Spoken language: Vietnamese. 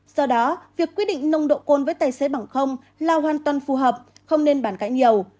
do đó việc quy định nông độ côn với tài xế bằng là hoàn toàn phù hợp không nên bản cãi nhiều